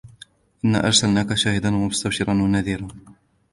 إِنَّا أَرْسَلْنَاكَ شَاهِدًا وَمُبَشِّرًا وَنَذِيرًا